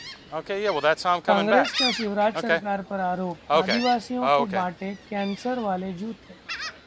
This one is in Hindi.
कांग्रेस का शिवराज सरकार पर आरोप- आदिवासियों को बांटे कैंसर वाले जूते